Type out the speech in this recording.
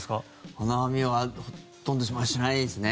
花見はほとんどしないですね。